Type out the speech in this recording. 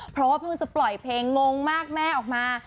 เพราะว่าเพิ่งจะปล่อยเพลงงงมากแม่ออกมา